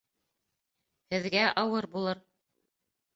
Һеҙгә ауыр булыр